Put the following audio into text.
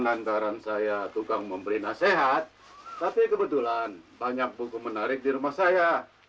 lantaran saya tukang memberi nasihat tapi kebetulan banyak buku menarik di rumah saya